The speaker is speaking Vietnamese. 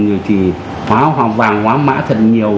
rồi thì hoa hoàng hoa mã thật nhiều